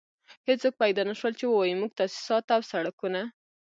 هېڅوک پيدا نه شول چې ووايي موږ تاسيسات او سړکونه.